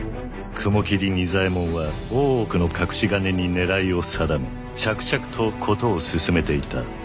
雲霧仁左衛門は大奥の隠し金に狙いを定め着々と事を進めていた。